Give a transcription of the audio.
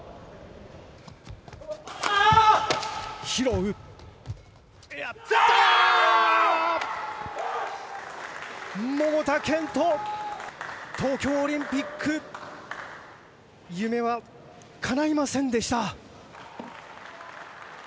ああ、桃田賢斗、東京オリンピック、夢はかないませんでした。